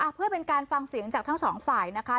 เพื่อเป็นการฟังเสียงจากทั้งสองฝ่ายนะคะ